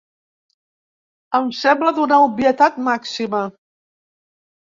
Em sembla d’una obvietat màxima.